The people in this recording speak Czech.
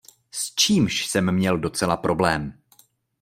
S čímž jsem měl docela problém.